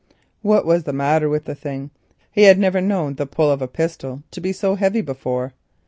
What was the matter with the thing? He had never known the pull of a pistol to be so heavy before.